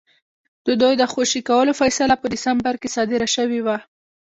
د دوی د خوشي کولو فیصله په ډسمبر کې صادره شوې وه.